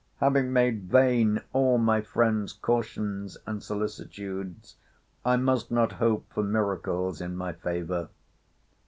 Having made vain all my friends' cautions and solicitudes, I must not hope for miracles in my favour!